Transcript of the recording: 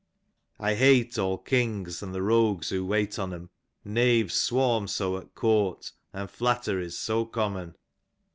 I hate all k — 8 and the rogues who wait on 'em, Knaves swarm so at court, and flattery's so common.